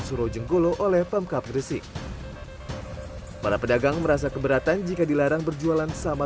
surojenggolo oleh pemkap gresik para pedagang merasa keberatan jika dilarang berjualan sama